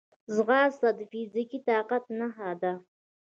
ځغاسته د فزیکي طاقت نښه ده